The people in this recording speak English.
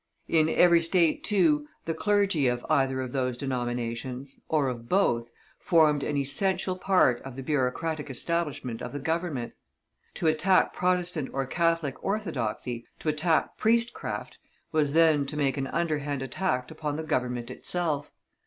In every State, too, the clergy of either of those denominations, or of both, formed an essential part of the bureaucratic establishment of the Government. To attack Protestant or Catholic orthodoxy, to attack priestcraft, was then to make an underhand attack upon the Government itself.